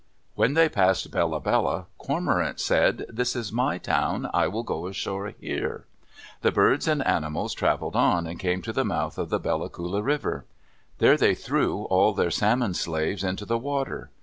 When they passed Bella Bella, Cormorant said, "This is my town. I will go ashore here." The birds and animals traveled on, and came to the mouth of the Bella Coola River. There they threw all their Salmon slaves into the water.